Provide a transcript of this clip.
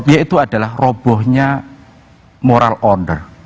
yaitu adalah robohnya moral owner